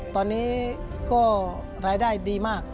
ตอนนี้ก็รายได้ดีมาก